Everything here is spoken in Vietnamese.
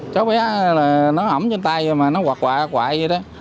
cháu bé nó ẩm trên tay mà nó quạt quại vậy đó